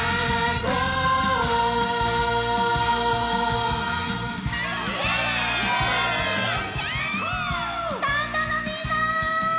スタンドのみんな！